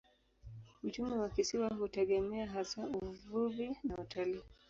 Uchumi wa kisiwa hutegemea hasa uvuvi na utalii.